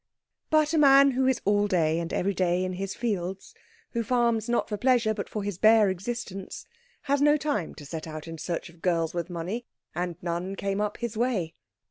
But a man who is all day and every day in his fields, who farms not for pleasure but for his bare existence, has no time to set out in search of girls with money, and none came up his way.